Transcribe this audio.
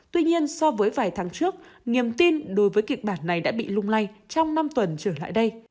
tuy nhiên so với vài tháng trước niềm tin đối với kịch bản này đã bị lung lay trong năm tuần trở lại đây